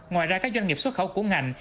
ngoài ra các doanh nghiệp xuất khẩu của ngành